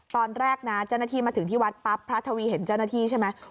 ตอนแรกนะเจ้าหน้าที่มาถึงที่วัดปั๊บพระทวีเห็นเจ้าหน้าที่ใช่ไหม